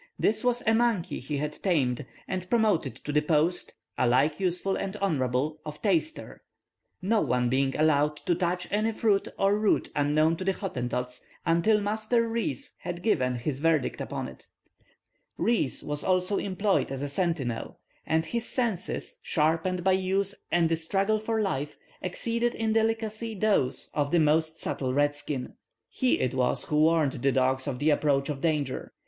This was a monkey he had tamed, and promoted to the post, alike useful and honourable, of taster no one being allowed to touch any fruit or root unknown to the Hottentots till Master Rees had given his verdict upon it. [Illustration: "Till Master Rees had given his verdict."] Rees was also employed as a sentinel; and his senses, sharpened by use and the struggle for life, exceeded in delicacy those of the most subtle Redskin. He it was who warned the dogs of the approach of danger.